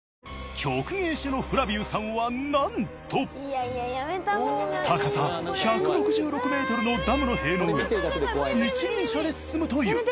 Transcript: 曲芸師のフラヴィウさんはなんと高さ１６６メートルのダムの塀の上を一輪車で進むという。